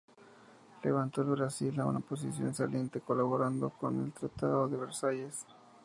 Levantó al Brasil a una posición saliente, colaborando en el Tratado de Versalles.